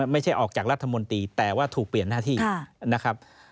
ไม่ใช่ออกจากรัฐมนตรีแต่ว่าถูกเปลี่ยนหน้าที่นะครับ